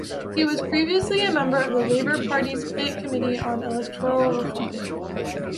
He was previously a member of the Labour Party's Plant Committee on electoral reform.